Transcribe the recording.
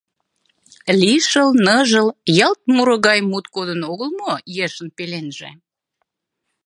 Лишыл, ныжыл, ялт муро гай мут кодын огыл мо ешын пеленже?